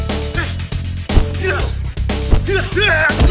kenapa sih lo tuh gak mau dengerin kata kata gue